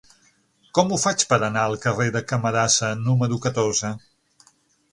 Com ho faig per anar al carrer de Camarasa número catorze?